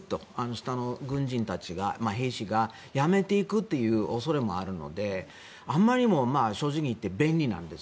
下の軍人たちが、兵士たちが辞めていくという恐れもあるのであまりにも便利なんです。